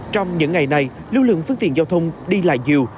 trong những ngày này lưu lượng phương tiện giao thông đi lại nhiều